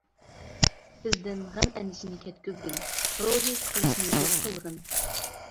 بىزدىن غەم ئەندىشىنى كەتكۈزگىن، روھىي سىقىلىشنى يوق قىلغىن.